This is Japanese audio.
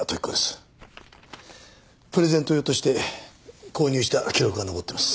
プレゼント用として購入した記録が残ってます。